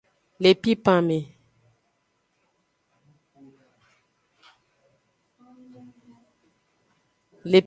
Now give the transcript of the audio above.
Le pipan me.